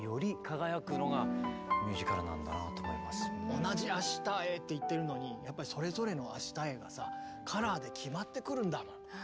同じ「明日へ」って言ってるのにやっぱりそれぞれの「明日へ」がさカラーで決まってくるんだもん。